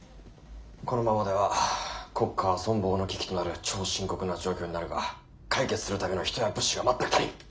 このままでは国家は存亡の危機となる超深刻な状況になるが解決するための人や物資が全く足りん。